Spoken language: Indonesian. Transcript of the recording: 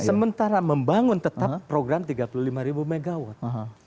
sementara membangun tetap program tiga puluh lima ribu megawatt